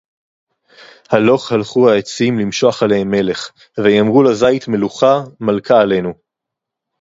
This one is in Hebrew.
הָל֤וֹךְ הָֽלְכוּ֙ הָעֵצִ֔ים לִמְשֹׁ֥חַ עֲלֵיהֶ֖ם מֶ֑לֶךְ וַיֹּאמְר֥וּ לַזַּ֖יִת ׳מְלוֹכָה׳ ״מָלְכָ֥ה״ עָלֵֽינוּ׃